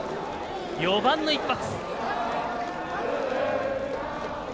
４番の一発。